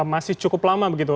masih cukup lama begitu